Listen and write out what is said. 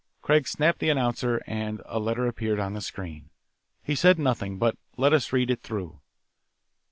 Craig snapped the announcer, and a letter appeared on the screen. He said nothing, but let us read it through.